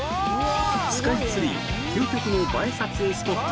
スカイツリー究極の映え撮影スポット